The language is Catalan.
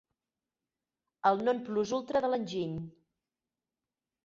El 'non plus ultra' de l'enginy.